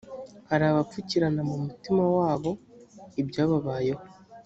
hari abapfukirana mu mutima wabo ibyababayeho